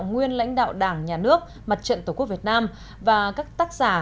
nguyên lãnh đạo đảng nhà nước mặt trận tổ quốc việt nam và các tác giả